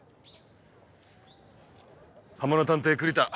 ハマの探偵栗田。